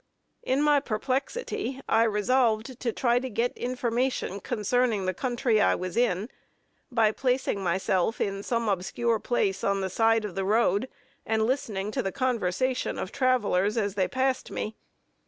In my perplexity, I resolved to try to get information concerning the country I was in, by placing myself in some obscure place in the side of the road, and listening to the conversation of travelers as they passed me.